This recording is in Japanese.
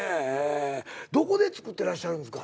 どこでつくってらっしゃるんですか？